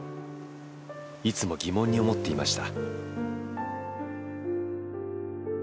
［いつも疑問に思っていました］